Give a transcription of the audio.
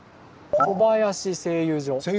「小林製油所」。